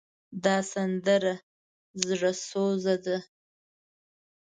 دا سندره زړوسوزه ده.